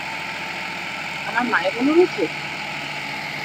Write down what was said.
আমার মায়ের অনুরোধে?